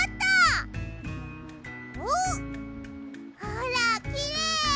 ほらきれい。